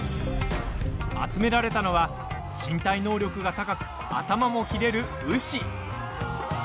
集められたのは身体能力が高く頭も切れるウシ。